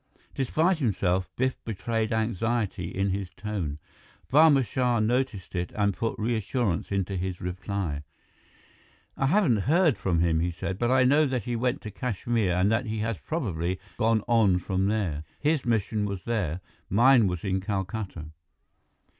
Despite himself, Biff betrayed anxiety in his tone. Barma Shah noticed it and put reassurance into his reply. "I haven't heard from him," he said, "but I know that he went to Kashmir and that he has probably gone on from there. His mission was there, mine was in Calcutta."